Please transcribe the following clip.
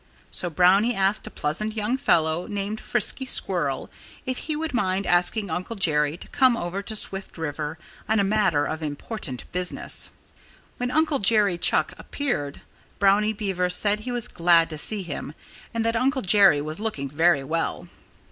So Brownie asked a pleasant young fellow named Frisky Squirrel if he would mind asking Uncle Jerry to come over to Swift River on a matter of important business. When Uncle Jerry Chuck appeared, Brownie Beaver said he was glad to see him and that Uncle Jerry was looking very well.